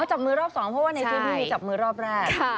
จับมือรอบสองเพราะว่าในพื้นที่มีจับมือรอบแรก